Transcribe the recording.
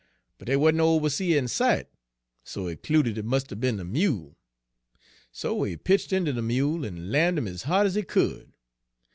But dey wa'n't no oberseah in sight, so he 'cluded it must 'a' be'n de mule. So he pitch' inter de mule en lammed 'im ez ha'd ez he could.